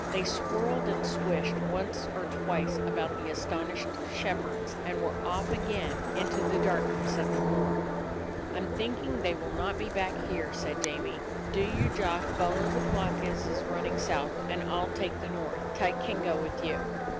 They swirled and swished once or twice about the astonished shepherds, and were off again into the darkness of the moor. "I 'm thinking they will not be back here," said Jamie. "Do you, Jock, follow the flock 88 A DOG OF THE ETTRICK HILLS as is running south ; and I 'll take the north. Tyke can go with you."